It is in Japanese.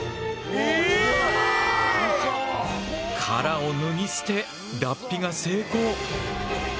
殻を脱ぎ捨て脱皮が成功！